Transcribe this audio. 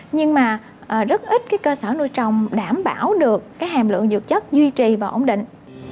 nhưng mà rất ít cái cơ sở nuôi trồng đảm bảo được cái hàm lượng dược chất duy trì và ổn định